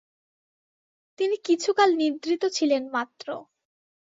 তিনি কিছুকাল নিদ্রিত ছিলেন মাত্র।